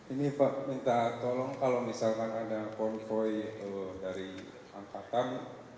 ini pak minta tolong kalau misalkan ada konvoy dari angkatan